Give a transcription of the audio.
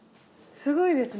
すごいですね。